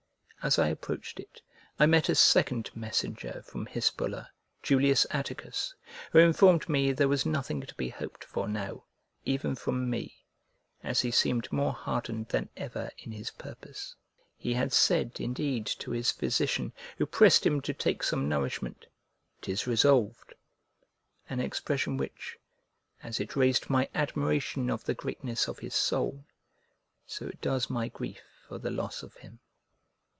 As I approached it, I met a second messenger from Hispulla, Julius Atticus, who informed me there was nothing to be hoped for now, even from me, as he seemed more hardened than ever in his purpose. He had said, indeed to his physician, who pressed him to take some nourishment, "'Tis resolved": an expression which, as it raised my admiration of the greatness of his soul, so it does my grief for the loss of him.